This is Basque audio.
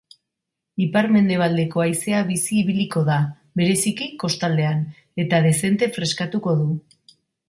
Ipar-mendebaldeko haizea bizi ibiliko da, bereziki kostaldean, eta dezente freskatuko du.